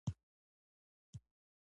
د خوړو ذخیره کول باید اوږدمهاله حل ولري.